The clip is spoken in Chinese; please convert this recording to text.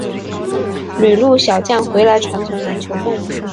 旅陆小将回来传承篮球梦